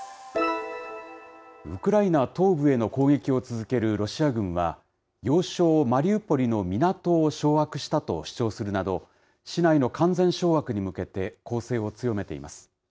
ウクライナ東部への攻撃を続けるロシア軍は、要衝マリウポリの港を掌握したと主張するなど、市内の完全掌握に向けて、攻勢を強めています。